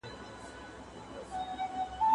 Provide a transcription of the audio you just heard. افغان ځواکونو ولي د احمد شاه بابا ملاتړ کاوه؟